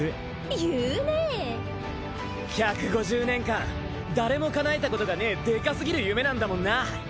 １５０年間誰もかなえたことがねえでかすぎる夢なんだもんな！